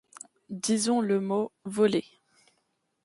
Disons le mot, volé.